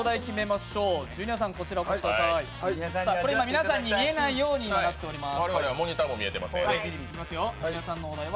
皆さんに見えないようになっています。